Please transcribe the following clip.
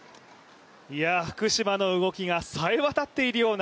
いやあ、福島の動きがさえ渡っているような